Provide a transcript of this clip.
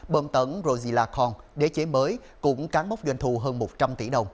bầm tẩn rosila kong đế chế mới cũng cán mốc doanh thu hơn một trăm linh tỷ đồng